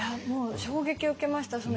もう衝撃を受けました。